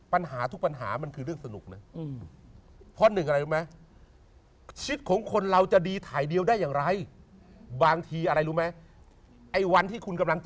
ปัญหาทุกปัญหามันคือเรื่องสนุกนะ